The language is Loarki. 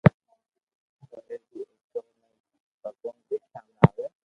وري بي او چور ني ڀگوان دآکيا ۾ آوي